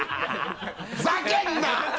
ふざけんな！